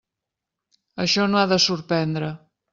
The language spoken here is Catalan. Això no ha de sorprendre.